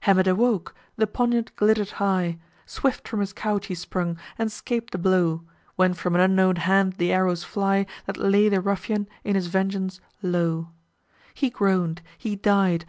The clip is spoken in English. Hamet awoke! the poignard glitter'd high! Swift from his couch he sprung, and 'scap'd the blow; When from an unknown hand the arrows fly, That lay the ruffian, in his vengeance, low. He groan'd, he died!